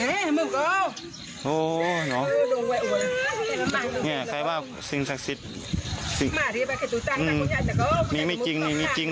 โอ้โหน้องเนี่ยใครบอกสิ่งศักดิ์สิทธิ์อืมมีมีจริงมีจริง